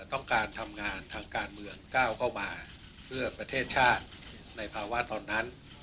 ต้องการทำงานทางการเมืองก้าวเข้ามาเพื่อประเทศชาติในภาวะตอนนั้น